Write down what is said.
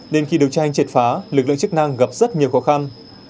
nên khi được tra hành triệt phá lực lượng chức năng gặp rất nhiều khó khăn